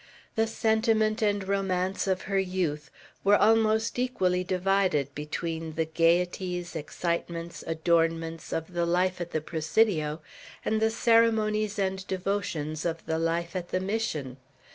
The sentiment and romance of her youth were almost equally divided between the gayeties, excitements, adornments of the life at the Presidio, and the ceremonies and devotions of the life at the Mission.